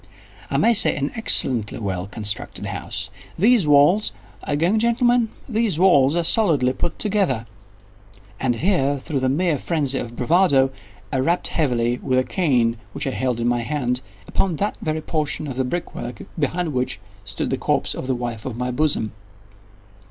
—"I may say an excellently well constructed house. These walls—are you going, gentlemen?—these walls are solidly put together;" and here, through the mere phrenzy of bravado, I rapped heavily, with a cane which I held in my hand, upon that very portion of the brick work behind which stood the corpse of the wife of my bosom.